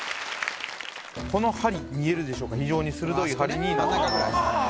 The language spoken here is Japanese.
この針見えるでしょうか非常に鋭い針になっています